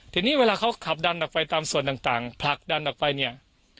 ทีนี้เวลาเขาขับดันดับไฟตามส่วนต่างผลักดันออกไปเนี่ย